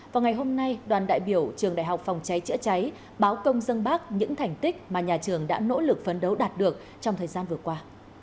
vào ngày hôm nay đoàn đại biểu trường đại học phòng cháy chữa cháy báo công dân bác những thành tích mà nhà trường đã nỗ lực phấn đấu đạt được trong thời gian vừa qua